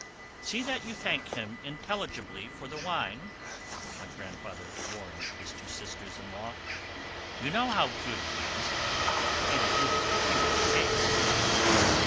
"See that you thank him intelligibly for the wine," my grandfather warned his two sisters in law; "you know how good it is, and it is a huge case."